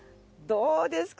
どうですか？